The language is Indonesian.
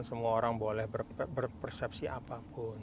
semua orang boleh berpersepsi apapun